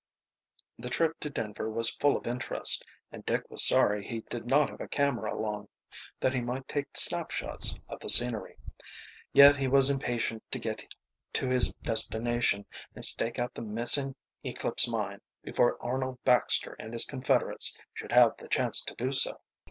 The trip to Denver was full of interest, and Dick was sorry he did not have a camera along, that he might take snapshots of the scenery. Yet he was impatient to get to his destination and stake out the missing Eclipse Mine before Arnold Baxter and his confederates should have the chance to do so.